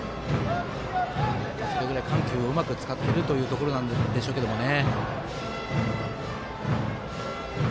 それぐらい緩急をうまく使っているというところなんでしょうけどね。